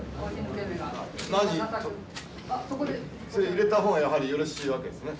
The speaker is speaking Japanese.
入れたほうがやはりよろしいわけですね。